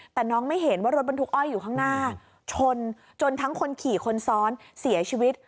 แต่น้องไม่เห็นว่ารถบรรทุกอ้อยอยู่ข้างหน้าชนจนทั้งคนขี่คนซ้อนเสียชีวิต